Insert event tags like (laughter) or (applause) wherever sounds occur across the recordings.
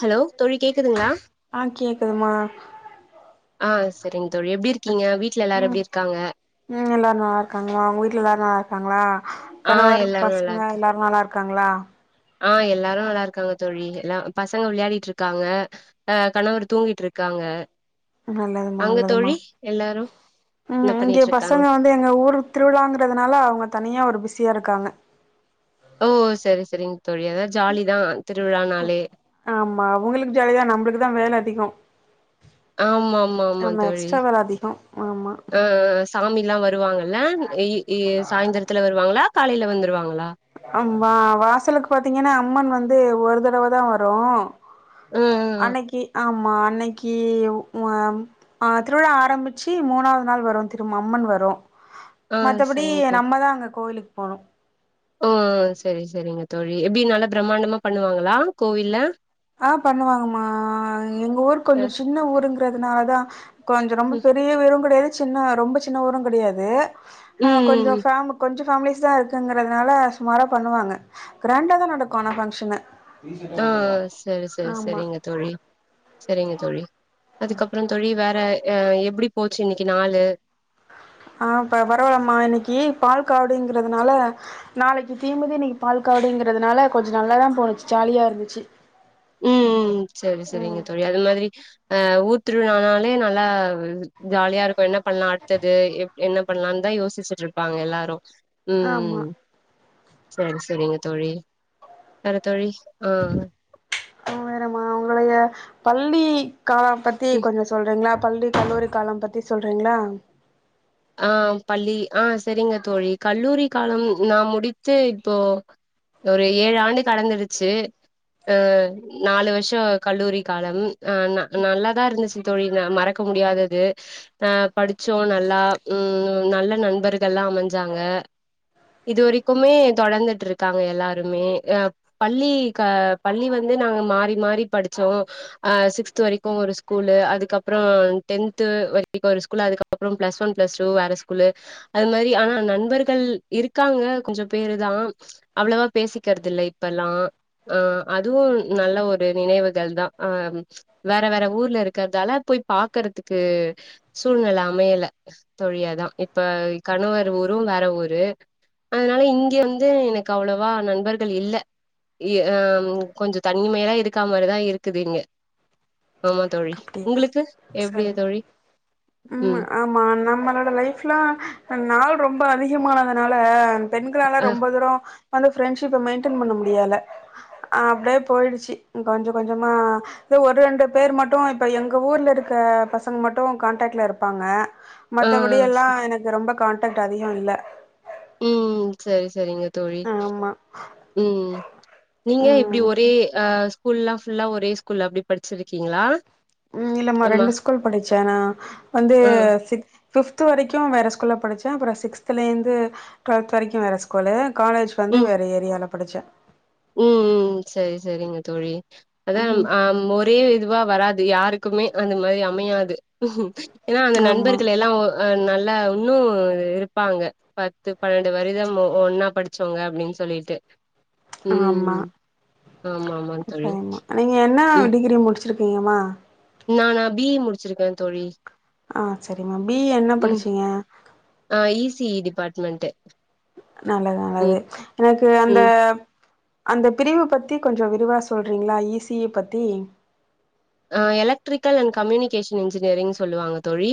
hello தோழி கேக்குதுங்களா ஆ கேக்குதுமா ஆ செரிங் தோழி எப்டி இருக்கீங்க வீட்டுல எல்லாரு எப்டி இருக்காங்க உம் எல்லாரு நல்லா இருக்காங்களா உங்க வீட்டுல எல்லாரு நல்லா இருக்காங்களா ஆ கணவர் எல்லாரு நல்லா பசங்க இருக்கு எல்லாரு நல்லா இருக் காங்களா ஆ எல்லாரு நல்லா இருக்காங்க தொழி எல்லா பசங்க விளையாடிட்டி இருக்காங்க ஆ கணவர் தூங்கிட்டு இருக்காங்க நல்லதுமா அங்க நல்லதுமா தோழி எல்லாரு உம் என்ன இங்க பண்ணிட்டு இருக்காங்க பசங்க வந் து எங்க ஊரு திருவிழாங்கறதுனால அவுங்க தனியா ஒரு பிஸியா இருக்காங்க ஓ செரி செரிங்க தோழி அதாது ஜாலி தா திருவிழா நாலே ஆமா அவுங்களுக்கு ஜாலிதா நம்மளுக்கு தா வேல அதிகொ ஆமா ஆமா ஆமா தோழி எக்ஸ்ட்ரா வேல அதிகோ ஆமா ஆ ஆ சாமி எல்லா வருவாங்கல்லா எ எ சாய்ந்தரத்துல வருவாங்களா காலையில வந்துருவாங்களா அம்மா வாசலுக்கு பாத்தீங்கென்னா அம்மன் வந்து ஒரு தடவ தா வரு ஆ அன்னைக்கி ஆமா அன்னைக்கி உ ஆ ஆ திருவிழா ஆரம்பிச்சு மூணாவது நாள் வரு திரும் அம்மன் வரு ஆ ஆ மத்தபடி சரிங்க நம்மதா அங்க கோவிலுக்கு போணு ஓங் செரி செரிங்க தோழி எப்டி நல்லா பிரமாண்டமா பண்ணுவாங்களா கோவில்ல ஆ பண்ணுவாங்கம்மா எங்க ஊரு கொஞ்சோ சின்ன ஊரு இங்கறதுனால தா கொஞ்சோ ரொம்ப அ பெரிய விரு கெடையாது சின்ன ரொம்ப சின்ன ஊரும் கெடையாது ஆ கொஞ்சோ ம் ஃபெம் கொஞ்சோ (unintelligible) இருக்குங்கறதுனால சுமாரா பண்ணுவாங்க கிராண்டா தா நடக்கு ஆனா ஃபங்க்ஷனு வீசிட்டே கூட்டட்டுவான் சேரி சேரி சேரிங்க தோழி சேரிங்க தோழி அதுக்கப்புற தோழி வேற ஹ எப்டி போச்சு இன்னைக்கு நாளு ஆ பரவாலாம இன்னைக்கு பால் காவுடிங்குறதுனால நாளைக்கு தீமதி இன்னைக்கு பால காவடிங்கிறதுனால கொஞ்ச நல்லாதா போணுச்சு ஜாலியா இருந்துச்சு உம் சேரி சேரிங்க ம் தோழி அது மாதிரி அ ஊர் திருவிலானாலே நல்லா ஜாலியா இருக்கு என்ன பண்ணலா அடுத்தது எப் என்ன பண்ணலான்னு தா யோசிச்சுட்டு இருப்பாங்க எல்லாரு ஆமா உம் சேரி சேரிங்க தோழி வேற தோழி ஆ வேறமா உங்களுடைய பள்ளி கால பத்தி ம் கொஞ்ச சொல்றீங்களா பள்ளி கல்லூரி கால பத்தி சொல்றீங்களா ஆ பள்ளி ஆ சேரிங்க தோழி கல்லூரி கால நா முடித்து இப்போ ஒரு ஏழு ஆண்டு கடந்துடுச்சு அ நாலு வருஷ கல்லூரி காலம் ஆ ந நல்லாதா இருந்துச்சு தோழி நா மறக்க முடியாதது ஆ படிச்சோ நல்லா உம் நல்ல நண்பர்கள்லா அமைஞ்சாங்க இது வரைக்குமே தொடர்ந்துட்டுருக்காங்க எல்லாருமே அ பள்ளி கா பள்ளி வந்து நாங்க மாறி மாறி படிச்சோ ஆ சிக்ஸ்த் வரைக்கு ஒரு ஸ்கூல அதுக்கப்பற டென்த் வரைக்கு ஒரு ஸ்கூல் அதுக்கப்பற பிளஸ் ஒன் பிளஸ் டூ வேற ஸ்கூல்லு அது மாரி ஆனா நண்பர்கள் இருக்காங்க கொஞ்ச பேரு தா அவ்வளவா பேசிக்கிறது இல்ல இப்பலா ஆஹ் அதுவு நல்ல ஒரு நினைவுகள் தா அஹ் வேற வேற ஊர்ல இருக்கிறதால போய் பாக்கறதுக்கு சூழ்நிலை அமையல தோழியாதா இப்ப கணவர் ஊரு வேற ஊரு அதனால இங்க வந்து எனக்கு அவ்வளவா நண்பர்கள் இல்ல ஹ் கொஞ்ச தனிமையா இருக்கா மாரிதா இருக்குது இங்க ஆமா தோழி அப்டியா உங்களுக்கு எப்டிய தோழி உம் ஆ நம்மளோட லைஃப்லா நாள் ரொம்ப அதிகமானதுனால பெண்களாலா அ ரொம்ப தூரோ வந்து ஃரெண்ட்ஷிப்ப மெயின்டென் பண்ண முடியால அப்டியே போயிடுச்சு கொஞ்ச கொஞ்சமா எதோ ஒரு ரெண்டு பேர் மட்டு இப்ப எங்க ஊர்ல இருக்க பசங்க மட்டு கான்டாக்ட்ல இருப்பாங்க ஆ ச மத்தபடியெல்லா எனக்கு ரொம்ப கான்டாகக்ட் அதிக இல்ல சேரி சேரிங்க தோழி ஆமா உம் நீங்க இப்டி ஒரே ம் ஆ ஸ்கூல்ல ஃபுல்லா ஒரே ஸ்கூல் அப்டி படிச்சிருக்கீங்களா உம் இல்லமா ஆமா ரெண்டு ஸ்கூல் படிச்ச நா வந்து ஆ சிக்ஸ் ஃபிஃப்த் வரைக்கு வேற ஸ்கூல்ல படிச்ச அப்பற சிக்ஸ்த்திலேருந்து டுவல்த் வரைக்கு வேற ஸ்கூலு காலேஜ் இப்ப வந்து வேறு ஏரியால படிச்ச உம் சேரி சேரிங்க தோழி அதான் ம் அம் ஒர் ஒரே இதுவா வராது யாருக்குமே அந்த மாரி அமையாது ஏன்னா அந்த ஆமா நண்பர்கள் எல்லா அ நல்லா இன்னு இருப்பாங்க பத்து பன்னெண்டு வரிதம் ஒ ஒன்னா படிச்சவங்க அப்டினு சொல்லிட்டு உம் ஆமா உம் ஆமா ஆமா தோழி சரிம்மா நீங்க என்னா ம் டிகிரி முடிச்சிருக்கீங்கம்மா நானா பிஇ முடிச்சிருக்க தோழி ஆ சரிம்மா பிஇ என்ன ம் படிச்சீங்க ஆ இசிஇ டிபார்ட்மெண்ட்டு நல்லது ம் நல்லது எனக்கு அந்த ம் அந்த பிரிவு பத்தி கொஞ்ச விரிவா சொல்றீங்களா இசிஇ பத்தி அ எலக்ட்ரிக்கல் அண்ட் கம்யூனிகேஷன் இன்ஜினியரிங் சொல்லுவாங்க தோழி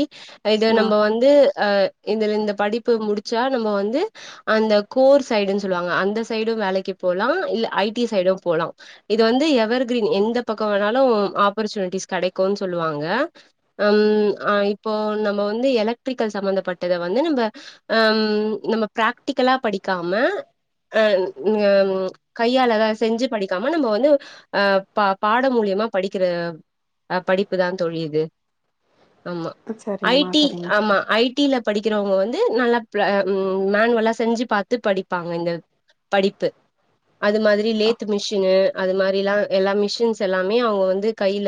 இது ஆ நம்போ வந் து அ இதுல இந்த படிப்பு முடிச்சா நம்ப வந்து அந்த கோர் சைடுனு சொல்லுவாங்க அந்த சைடு வேலைக்கு போலா இல்ல ஐடி சைடு போலா இது வந்து எவர் கிரீன் எந்த பக்க வேணாலும் ஆப்பர்ச்சுனிட்டிஸ் கெடைக்கு சொல்லுவாங்க அம் ஆ இப்போ நம்ம வந்து எலக்ட்ரிக்கல் சம்மந்தப்பட்டத வந்து நம்ப அ அம் நம்ம பிராக்டிக்கலா படிக்காம அ ம் ம் அ கையால செஞ்சு படிக்காம நம்ப வந்து அ பா பாடம் மூலியமா படிக்கிற அ படிப்புதா தோழி இது ஆமா சரிம்மா ஐடி சரிம்மா ஆமா ஐடில படிக்கிறவங்க வந்து நல்ல பிர ம் மேன்வல்லா செஞ்சு பாத்து படிப்பாங்க இங்க படிப்பு அது மாதிரி லேத்து மிஷினு அது மாரிலா எல்லா மிஷின்ஸ் எல்லாமே அவுங்க வந்து கையில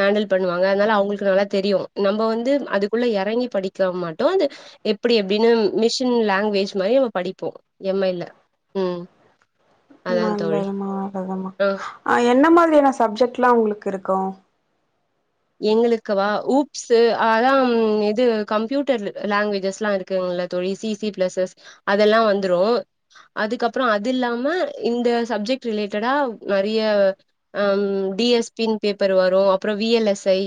ஹேண்டல் பண்ணுவாங்க அதனால அவங்களுக்கு நல்லா தெரியும் நம்போ வந்து அதுக்குள்ள யறங்கி படிக்க மட்டோ அது எப்டி எப்டின்னு மிஷன் லங்வேஜ் மாரி நம படிப்போ எம்ஐல தோழி நல்லதுமா நல்லதுமா ஆ என்ன மாதிரியான சப்ஜெக்ட்ல்லா உங்களுக்கு இருக்கு எங்களுக்கு வா ஊப்ஸ்சு ஆ அதா இது கம்ப்யூட்டர் லங்வேஜஸ்ல்லா இரு க்குங்ள தோழி சிசி பிளஸஸ் அதெல்லா வந்துரும் அதுக்கப்றோ அது இல்லாம இந்த சப்ஜெக்ட் ரிலேட்டடா நறைய அம் டிஎஸ்பின் பேப்பர் வரு அப்புறம் விஎல்எஸ்ஐ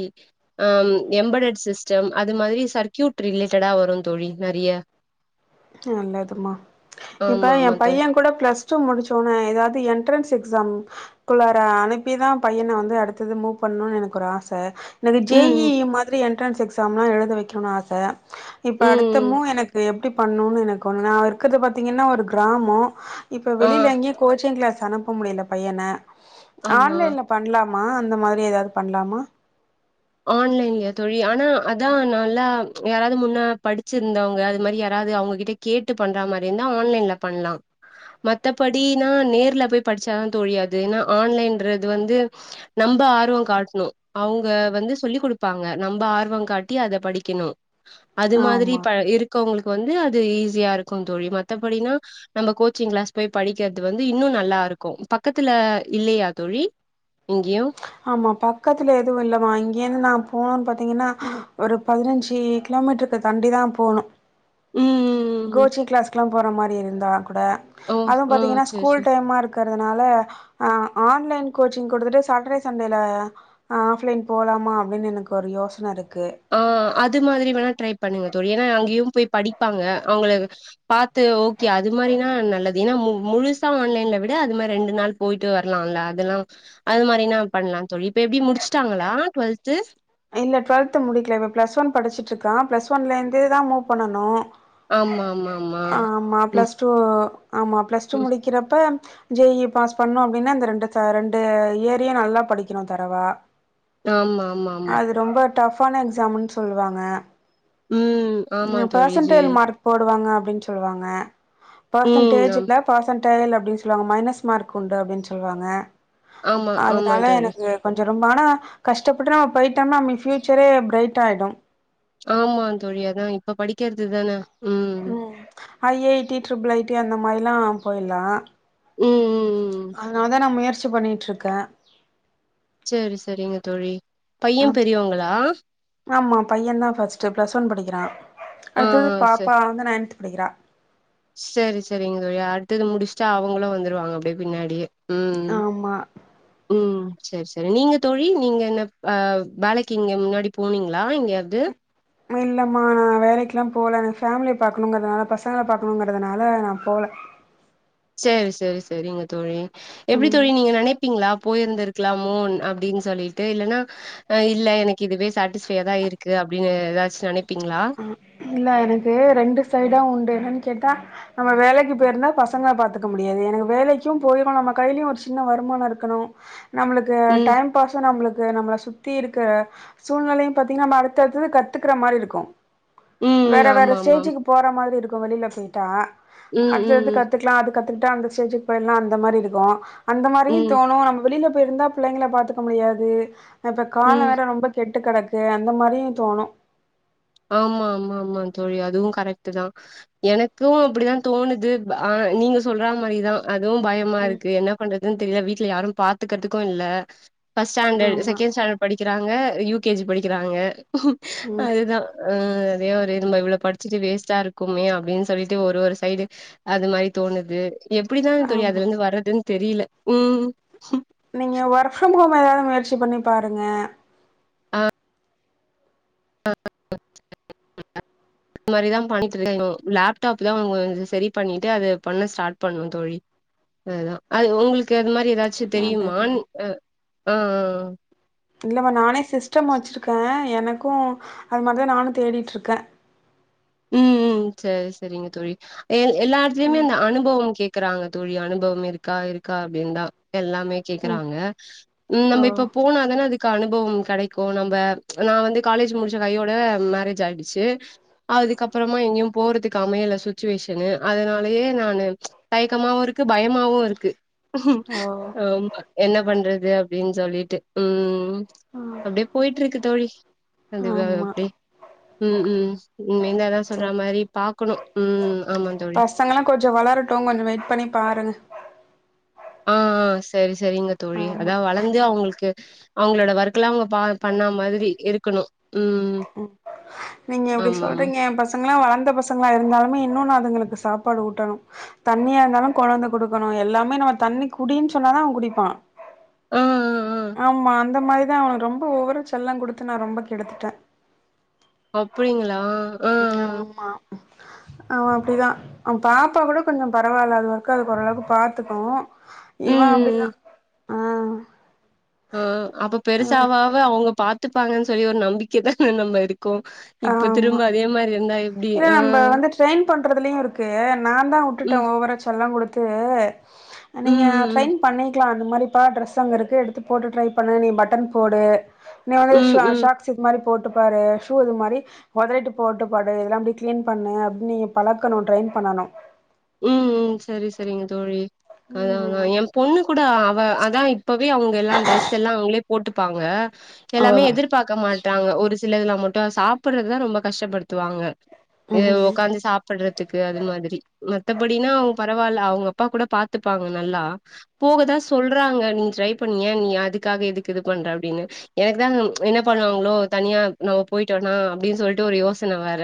அம் எம்பெட்டட் சிஸ்டம் அது மாரி சர்க்கயூட் ரிலேட்டடா வரு தோழி நறைய ம் நல்லதுமா இப்ப ஆமா ஆமா என் தோழி பையன் கூட ப்ளஸ் ச்சு முடிச்சோன ஏதாவது என்ட்ரன்ஸ் எக்ஸாம் குள்ளார அனுப்பிதா பையன வந்து அடுத்தது மூவ் பண்ணு எனக்கு ஒரு ஆச என்னது ஜேஇ ம் ம் மாதிரி என்ட்ரன்ஸ் எக்ஸாம்லா எழுத வைக்கணு ஆச இப்ப அடுத்த ம் மூ எனக்கு எப் பண்ணுனு எனக்கு ஒண்ணா இருக்றது பாத்தீங்கன்னா ஒரு கிராமோ இப்ப ஆ வெளில எங்கேயி கோச்சிங் கிளாஸ் அனுப்ப முடியல பையன ஆமா ஆன்லைன்ல பண்லாமா அந்த மாரி ஏதாவது பண்லாமா ஆன்லைன்லையா தோழி ஆனா அதா நல்லா யாராது முன்ன படிச்சிருந்தவங்க அது மாரி யாராது அவுங்ககிட்ட கேட்டு பண்ற மாரி இருந்தா ஆன்லைன்ல பண்லா மத்தபடினா நேர்ல போய் படிச்சாதா தோழி அது எனா ஆன்லைன்றது வந்து நம்ப ஆர்வோ காட்ணு அவுங்க வந்து சொல்லி் குடுப்பாங்க நம்ப ஆர்வ காட்டி அத படிக்கணு அது மாதிரி ஆமா ப இருக் கவுங்களுக்கு வந்து அது ஈஸியா இருக்கு தோழி மத்தபடினா நம்ப கோச்சிங் க்ளாஸ் போய் படிக்கிறது வந்து இன்னும் நல்லா இருக்கு பக்கத்துல இல்லையா தோழி இங்கியோ ஆமா பக்கத்துல எது இல்லமா இங்கேந்து நா போன் பாத்தீங்கன்னா ஒரு பதினஞ்சி கிலோமீட்டருக்கு தண்டி தா போணு ம் ம் ம் ம் ம் கோச்சிங் க்ளாஸ்க்லா போற மாரி இருந்தா குட ஓ அது ஓ பாத்தீங்கன்னா சேர் சேர் ஸ்கூல் டைமா இரு இக்கிறதுனால அ ஆன்லைன் கோச்சிங் கொடுத்துட்டு சாட்டர்டே சண்டேல ஆ ஆஃப்லைன் போறமா அப்படின்னு எனக்கு ஒரு யோசன இருக்கு ஆ அது மாதிரி வேண ட்ரை பண்ணுங்க தோழி ஏன்னா அங்கேயும் போய் படிப்பாங்க அவங்களு பாத்து ஓகே அது மாரினா நல்லது ஏன்னா மு முழுசா ஆன்லைன்ல விட அது மாரி ரெண்டு நாள் போயிட்டு வரலால அதெல்லா அது மாரினா பண்லா தோழி இப்ப எப்டி முடிச்சுட்டாங்களா டுவெல்த்து இல்ல டுவல்து முடிக்ல இப்ப பிளஸ் ஒன் படிச்சிட்ருக்கா பிளஸ் ஒன்லேந்துதா மூவ் பண்ணனு ஆமா ஆமா ஆமா ம் பிளஸ் டூ ஆமா பிளஸ் டூ ம் முடிக்கிறப்ப ஜேஇ பாஸ் பண்ணு அப்டின்னா இந்த ரெண்டுச்ச ரெண்டு இயர்யு நல்லா படிக்கணு தரவா ஆமா ஆமா ஆமா அது ரொம்ப டஃபான எக்ஸாமுன் சொல்லுவாங்க ம் ஆமா ம் தோழி பெர்சன்டைல் ஜெய் மார்க் போடுவாங்க அப்டின் சொல்லுவாங்க ம் ஆம் பர்சன்டேஜுல பர்சன்டைல் அப்டின் சொல்லுவாங்க மைனஸ் மார்க் உண்டு அப்டின்னு சொல்லுவாங்க ஆமா ஆமா அதனால தோழி எனக்கு கொஞ்ச ரொம் ஆனா கஷ்டப்பட்டு நம்ம போயிட்டோம்னா நம்ம ஃபியூச்சரே ப்ரைட் ஆயிடு ஆமா தோழி அதா இப்ப படிக்கறது தான உம் I I T triple I T அந்த மாரில்லா போயில்லா ம் ம் ம் அதனால தா நா முயற்சி பண்ணிட்டுருக்கே சேரி செரிங்க தோழி ஆ யும் பெரியவங்களா ஆமா பையன் தா ஃபர்ஸ்ட்டு ப்ளஸ் ஒன் படிக்கிறா ஆ அடுத்து ஆ ச பாப்பா வந்து நைன்த் றா செரி செரிங்க தோழி அடுத்தது முடிச்ட்டா அவங்களு வந்துருவாங்க அப்டியே பின்னாடியே ம் ஆமா ம் சரி சரி நீங்க தோழி நீங்க என்னப் அ வேலைக்கு இங்க முன்னாடி போனீங்களா எங்கயாது மே இல்லம்மா நா வேலைக்கல்லா போல நா ஃபேமிலிய பாக்கணுங்கிறதுனால பசங்கள பாக்கணுங்கிறதுனால நா போல சேர் சரி சரிங்க தோழி எப்டி ம் தோழி நீங்க நெனைப்பீங்களா போயிருந்திரு க்கலாமோன் அப்டின் சொல்லிட்டு இல்லன்னா அ இல்ல எனக்கு இதுவே சட்டிஸ்ஃபையா தா இருக்கு அப்டின்னு ஏதாச்சு நனைப்பீங்ளா இல்ல எனக்கு ரெண்டு சைடா உண்டு என்னன் கேட்டா நம்ம வேலைக்கி பேய்ருந்தா பசங்கள பாத்துக்க முடியாது எனக்கு வேலைக்கு போயிரு நம்ம கைலயு ஒரு சின்ன வருமானோ இருக்கணு நம்ளுக்கு ம் டைம் பாஷு நம்ளுக்கு நம்மள சுத்தி இருக்கு சூழ்நெலையும் பாத்தீங்க்னா நம்ம அடுத்தத்து கத்துக்குற மாரி இருக்கும் ம் வேற வேற ஆமா ஆமா ஸ்டேஜுக்கு போற மாரி இருக்கு வெளில போய்ட்டா ம் அடுத்தடுத்து ம் கத் துக்லா அது கத்துக்குட்டா அந்த ஸ்டேஜ்க்கு போயிட்லா அந்த மாரி இருக்கு அந்த மாரியு ம் தோணு நம்ம வெளில போயிருந்தா பிள்ளைங்கள பாத்துக்க முடியாது அ இப்ப காலோ ம் வேற ரொம்ப கெட்டு கெடக்கு அந்த மாரியு தோணு ஆமா ஆமா ஆமா தோழி அதுவு கரெக்டு தா எனக்கு அப்டிதா தோணுது ப ஆ நீங்க சொல்றா மாரிதா அதுவு ம் பயமாருக்கு என்ன பண்றதுன் தெரில வீட்ல யாரு பாத்துக்குறத்துக்கு இல்ல பர்ஸ்ட் ஸ்டண்டர்ட் ஆமா செகண்ட் ஸ்டாண்டர்ட் படிக்கிறாங்க யூ கே ஜி படிக்கிறாங்க ம் அதுதா அ அதே ஒரு இதுமா இவ்ளோ படிச்சுட்டு வேஸ்ட்டா இருக்குமே அப்டின் சொல்லிட்டு ஒரு ஒரு சைடு அது மாரி தோணுது எப்டிதா தோழி ஆமா அதுல இருந்து வர்றதுன் தெரில ம் நீங்க ஒர்க் ஃப்ரம் ஹோம் ஏதாது முயற்சி பண்ணி பாருங்க இந்த மாரி தா பண்ட்டு (unintelligible) லப்டாப் தா கொஞ்சோ சரி பண்ணிட்டு அது பண்ண ஸ்டார்ட் பண்ணு தோழி அதுதா அது உங்களுக்கு அது மாரி ஏதாச்சு தெரியுமான் நல்லதுமா அ ஆ இல்லம்மா நானே சிஸ்டம் வச்சிருக்க எனக்கு அது மாதி தா நானு தேடிட்ருக்க ம் ம் சரி சரிங்க தோழி எ எல்லா எடத்துலயுமே ம் அந்த அனுபவோ கேக் கறாங்க தோழி அனுபவம் இருக்கா இருக்கா அப்டின் தா எல்லாமே ம் கேக்கறாங்க ம் ஓ நம்ம இப்ப போனாதான அதுக்கு அனுபவம் கெடைக்கு நம்ப நா வந்து காலேஜ் முடிச்ச கையோட மேரேஜ் ஆய்டுச் சி அதுக்கப்றமா எங்கயு போறதுக்கு அமையல சுச்சுவேஷனு அதனாலயே நானு தயக்கமாவு இருக்கு பயமாவு இருக்கு ஓ ஹம் என்ன பண்றது அப்டின் சொல்லிட்டு ம் ம் அப்டியே போய்ட்ருக்கு தோழி கண்டிப்பா ஆமா எப்டி ம் ம் ம் இந்ததா சொல்ற சரி மாரி பாக்கணு ம் ஆமாந்தோ பசங்கல்லா கொஞ்சோ வளரட்டு கொஞ்சோ வெயிட் பண்ணி பாருங்க ஆ ஆ சரி சரிங்க தோழி ஆமா அதா வளந்து அவங்களுக்கு அவங்களோட ஒர்க்ல்லா அவங்க பா பண்ணா மாரி இருக்கணு ம் நீங்க இப்டி ஆமா ஆமா சொல்றீங்க எ பசங்களா வளந்த பசங்களா இருந்தாலுமே இன்னு நா அதுங்களுக்கு சாப்பாடு ஊட்டணு தண்ணியா இருந்தாலு கொழந்த குடுக்கணு எல்லாமே நம்ம தண்ணி குடின்னு சொன்னாதா அவ குடிப்பா ஆ ஆ ஆ ஆமா அந்த மாரி தா அவ ரொம்ப ஒவரா செல்லோ குடுத்து நா ரொம்ப கெடுத்துட்ட அப்டிங்களா ஆ ய்யாமா அவ அப்டிதா அவ பாப்பா கூட கொஞ்சோ பரவால்ல அது ஒர்க்க அதுக்கு ஓரளவுக்கு பாத்துக்கு ம் இவ ம் அப்டிதா ஆ ஓ அப்ப ஆ பெருசாவாவ அவங்க பாத்துப்பாங்கன் சொல்லி ஒரு நம்பிக்கதான நம்ம இருக் க்கோ இப்ப ஆமா திரும்ப அதே மாரி இருந்தா எப்டி இல்ல ஆ நம்ப வந்து ட்ரெய்ன் பண்றதுலயு இருக்கு நாந்தா உட்டுட்டே ம் ஓவரா செல்லோ குடு த்து ம் நீங்க ம் ட்ரெய்ன் பண்ணிக்லா அந்த மாரி ப ட்ரெஸ் அங்க இருக்கு எடுத்து போட்டு ட்ரை பண்ணு நீ பட்டன் போடு நீ வந்து ம் ஷா ம் ம் ஷாக்சு இது மாரி போட்டு பாரு ஷூ இது மாரி ஒதரிட்டு போட்டு பாடு அ இதெல்லா அப்டி க்ளீன் பண்ணு அப்டி நீங்க பழக்கணு ட்ரெய்ன் பண்ணணு ம் ம் சரி சரிங்க தோழி அதா அதா ஆமாமா எ பொண்ணு கூட அவ அதா இப்ப இப்பயு அவங்க எல்லா ட்ரெஸ் எல்லா அவங்களே போட்டுப்பாங்க ஆ எல்லாமே எதிர் பாக்க மாட்டாங்க ஒரு சில இதுல மட்டு சாப்பறதுதா ரொம்ப கஷ்டப்படுத்துவாங்க இது ம் உக்காந்து சாப்படுறதுக்கு அது மாதிரி மத்தபடினா அவங்க பரவால்ல அவங்க அப்பா கூட பாத்துப்பாங்க நல்லா போகதா சொல்றாங்க நீ ட்ரை பண்ணிய நீ அதுக்காக இதுக்கு இது பண்ற அப்படின்னு எனக்கு தா என்ன பண்ணுவாங்களோ தனியா நம்ம போயிட்டோம்னா அப்டின்னு சொல்லிட்டு ஒரு யோசனை வேற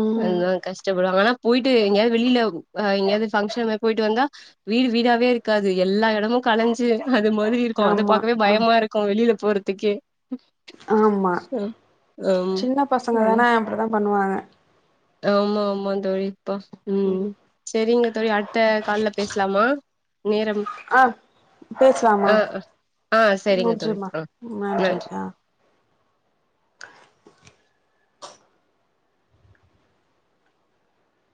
ம் அத கஷ்டப்படுவாங்க ஆனா போய்ட்டு எங்கயாது வெளில அ எங்கயாது பங்ஷன் மாதி போய்ட்டு வந்தா வீடு வீடாவே இருக்காது எல்லா எடமு கலஞ்சு அது மாதிரி இருக்கு அத ஆமா பாக்கவே ஆ பயமா இருக்கு வெளில போறதுக்கே ஆமா ஆம் ஆமா சின்ன பசங்க அது தான அப்டிதா பண்ணுவாங்க ஆமா ஆமா தோழி ப்பா ம் சரிங்க தோழி அடு த்த கால்ல பேசலாமா நேரம் ஆ பேசலாமா ஆ ஆ ஆ சரிங்க தோழி நன்றிமா ஆ நன்றி